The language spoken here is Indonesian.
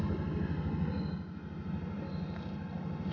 kalau gitu saya permisi ibu